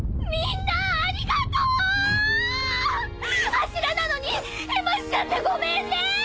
柱なのにへましちゃってごめんねぇ！